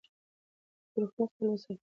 د روغتیا خیال وساته.